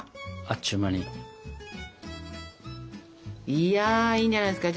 いやいいんじゃないですか？